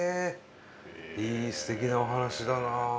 いいすてきなお話だなあ。